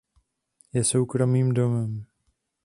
Je soukromým domem.